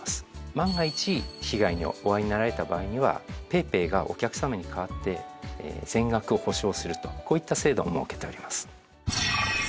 万が一被害にお遭いになられた場合にはＰａｙＰａｙがお客さまに代わって全額補償するとこういった制度も設けております。